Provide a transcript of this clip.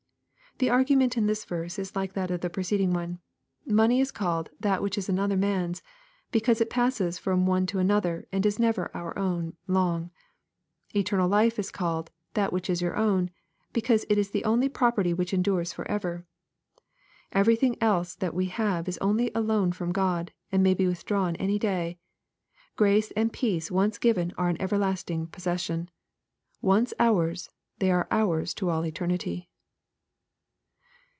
] The argument in this verse is like that of the preceding one. — Money is called " that which is another man's," because it passes from one to another, and is never our own long. — ^Eternal life is called " that which is your own," because it is the only property which endures for ever. Everything else that we have is only a loan from God, and n:ay be withdrawn any day. Grace and peace once given are an ever lasting possession. Once ours they are ours to all eternity.